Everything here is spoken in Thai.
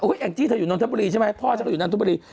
อุ๊ยแอ่งจี้เธออยู่นนทบุรีใช่ไหมพ่อจะอยู่นานทบุรี